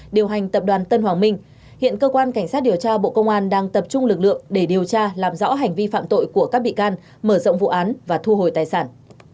điều hành tập đoàn tân hoàng minh hiện cơ quan cảnh sát điều tra bộ công an đang tập trung lực lượng để điều tra làm rõ hành vi phạm tội của các bị can mở rộng vụ án và thu hồi tài sản